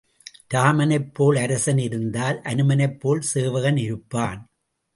இராமனைப் போல் அரசன் இருந்தால் அனுமனைப் போல் சேவகன் இருப்பான்.